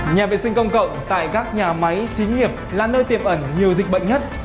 nhà vệ sinh công cộng tại các nhà máy xí nghiệp là nơi tiềm ẩn nhiều dịch bệnh nhất